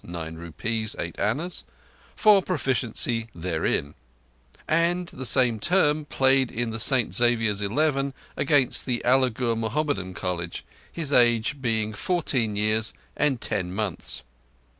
nine rupees, eight annas) for proficiency therein; and the same term played in St Xavier's eleven against the Alighur Mohammedan College, his age being fourteen years and ten months.